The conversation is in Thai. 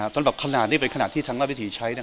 จนแบบขนาดนี้เป็นขนาดที่ทางราชวิถีใช้